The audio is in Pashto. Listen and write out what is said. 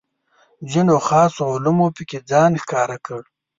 ځینو خاصو علومو پکې ځان ښکاره کړ.